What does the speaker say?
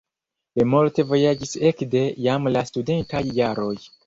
Li multe vojaĝis ekde jam la studentaj jaroj.